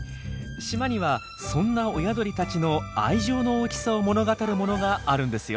島にはそんな親鳥たちの愛情の大きさを物語るものがあるんですよ。